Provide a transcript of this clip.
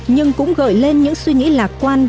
nhưng cũng gợi lên những suy nghĩ lạc quan